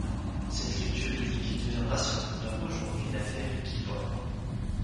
Cette lutte juridique deviendra ce qu'on nomme aujourd'hui l'affaire Guibord.